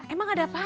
emang ada apaan sih